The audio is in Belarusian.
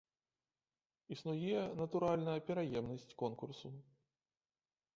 Існуе, натуральна, пераемнасць конкурсу.